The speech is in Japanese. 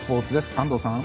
安藤さん。